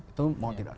itu mau tidak